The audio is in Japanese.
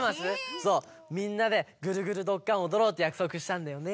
そうみんなで「ぐるぐるどっかん！」をおどろうってやくそくしたんだよね。